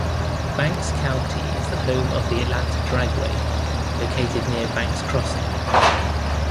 Banks County is the home of the Atlanta Dragway, located near Banks Crossing.